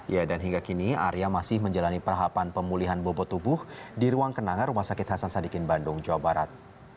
ya dan hingga kini arya masih menjalani perahapan pemulihan bobot tubuh di ruang kenanga rumah sakit hasan sadikin bandung jawa barat